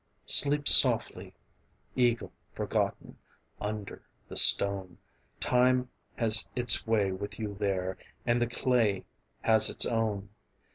Sleep softly ... eagle forgotten ... under the stone. Time has its way with you there, and the clay has its own.